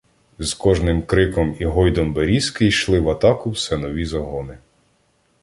З кожним криком і "гойдом" берізки йшли в атаку все нові загони.